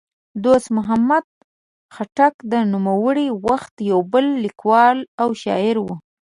دوست محمد خټک د نوموړي وخت یو بل لیکوال او شاعر دی.